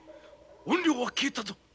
怨霊は消えたぞ！